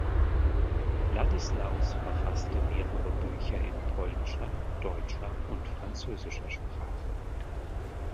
Ladislaus verfasste mehrere Bücher in polnischer, deutscher und französischer Sprache.